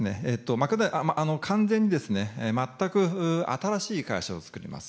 完全に全く新しい会社を作ります。